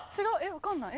わかんない。